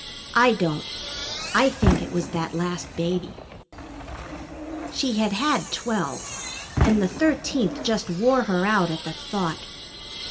I don't. I think it was that last baby. She had had twelve, and the thirteenth just wore her out at the thought.